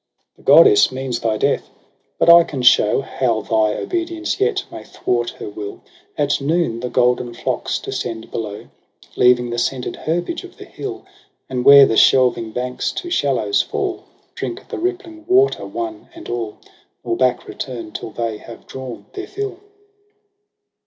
' The goddess means thy death. But I can show How thy obedience yet may thwart her will,. At noon the golden flocks descend below. Leaving the scented herbage of the hill. And where the shelving banks to shallows fall, Drink at the rippling water one and all. Nor back return till they have drawn their fill..